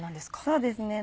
そうですね